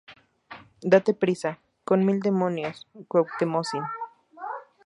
¡ date prisa, con mil demonios, Cuactemocín!